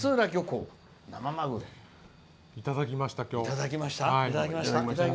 いただきました、今日。